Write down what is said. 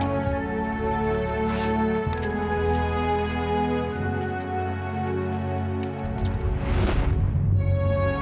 mas aku mau ke mobil